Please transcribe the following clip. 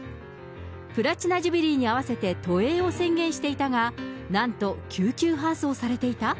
プラチナジュビリーに合わせて、渡英を宣言していたが、なんと救急搬送されていた？